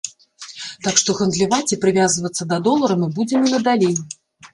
Так што гандляваць і прывязвацца да долара мы будзем і надалей.